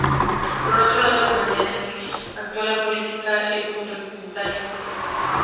Por otro lado, la manera en que actúa la policía es muy rudimentaria.